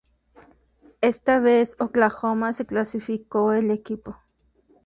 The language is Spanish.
Esta vez Oklahoma se clasificó el equipo.